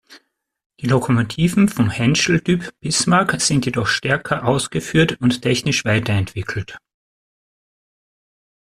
Die Lokomotiven vom Henschel-Typ Bismarck sind jedoch stärker ausgeführt und technisch weiterentwickelt.